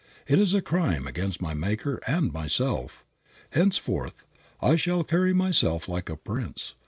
It is a crime against my Maker and myself. Henceforth I shall carry myself like a prince.